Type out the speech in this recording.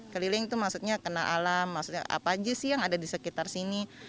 keliling itu maksudnya kena alam maksudnya apa aja sih yang ada di sekitar sini